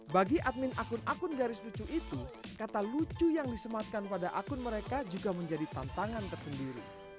bagi admin akun akun garis lucu itu kata lucu yang disematkan pada akun mereka juga menjadi tantangan tersendiri